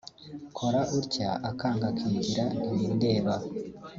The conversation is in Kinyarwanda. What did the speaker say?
kora utya akanga akigira ntibindeba